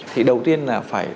thì đầu tiên là phải